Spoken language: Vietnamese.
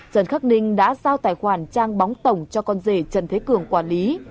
trần khắc ninh đã giao tài khoản trang bóng tổng cho con rể trần thế cường quản lý